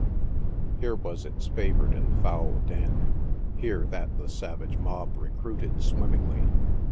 Here was its favored and foul den ; here that the savage mob recruited swimmingly.